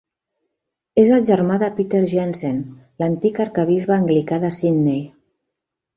És el germà de Peter Jensen, l'antic arquebisbe anglicà de Sydney.